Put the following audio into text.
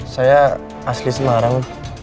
saya asli semarang